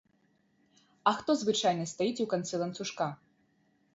А хто звычайна стаіць у канцы ланцужка?